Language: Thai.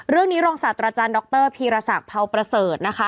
เรื่องนี้รองศาสตร์อาจารย์ดรพีรศักดิ์พราวประเสริฐนะคะ